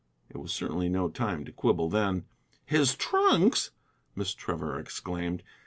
It was certainly no time to quibble then. "His trunks!" Miss Trevor exclaimed.